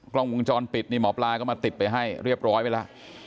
กล้องวงจรปิดนี่หมอปลาก็มาติดไปให้เรียบร้อยไปแล้ว